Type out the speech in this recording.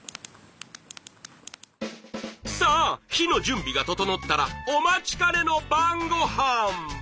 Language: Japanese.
さあ火の準備が整ったらお待ちかねの晩ごはん。